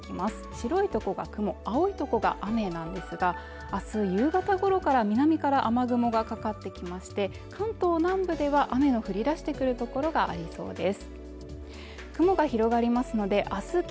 白いところが雲青いとこが雨なんですが、あす夕方ごろから南から雨雲がかかってきまして、関東南部では雨の降り出してくるところがありそうです。